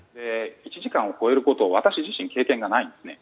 １時間を超えること私自身、経験がないんですね。